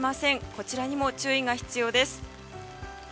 こちらにも注意が必要です。